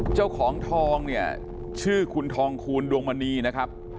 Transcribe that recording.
เจ้าของทองเนี่ยชื่อคุณทองคูณดวงมณีนะครับ